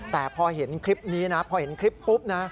แต่พอเห็นคลิปนี้นะพอเห็นคลิปปุ๊บนะ